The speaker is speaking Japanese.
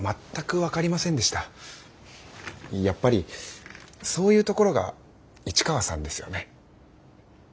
やっぱりそういうところが市川さんですよね。